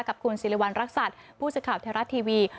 กับคุณศิลวันรักษัตริย์ผู้ชมข่าวแทรวรัตน์ทีวี